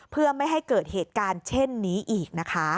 เพื่อไม่ให้เกิดเหตุการณ์เช่นนี้อีกนะคะ